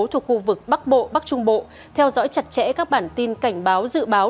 thuộc khu vực bắc bộ bắc trung bộ theo dõi chặt chẽ các bản tin cảnh báo dự báo